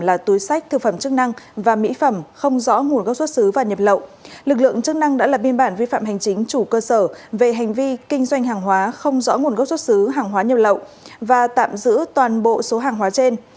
lực lượng chức năng đã lập biên bản vi phạm hành chính chủ cơ sở về hành vi kinh doanh hàng hóa không rõ nguồn gốc xuất xứ hàng hóa nhập lậu và tạm giữ toàn bộ số hàng hóa trên